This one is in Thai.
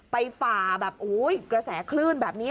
ฝ่าแบบกระแสคลื่นแบบนี้